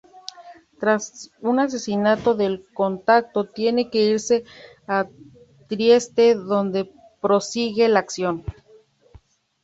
Tras un asesinato del contacto tiene que irse a Trieste donde prosigue la acción.